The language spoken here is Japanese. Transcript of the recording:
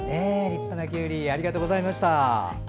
立派なきゅうりありがとうございました。